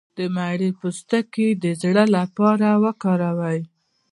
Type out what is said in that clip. د مڼې پوستکی د زړه لپاره وکاروئ